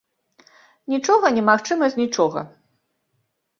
Нічога немагчыма з нічога.